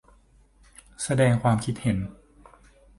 แสดงความคิดเห็น